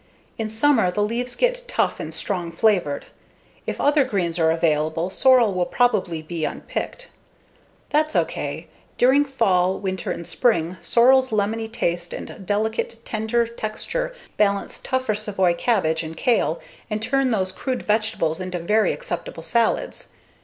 In summer the leaves get tough and strong flavored; if other greens are available, sorrel will probably be unpicked. That's ok. During fall, winter, and spring, sorrel's lemony taste and delicate, tender texture balance tougher savoy cabbage and kale and turn those crude vegetables into very acceptable salads.